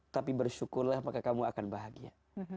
tapi bersyukurlah maka kamu akan bahagia